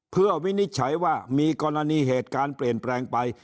เพื่อวินิจฉัยว่ามีกรณีเหตุการณ์เปลี่ยนแปลงไป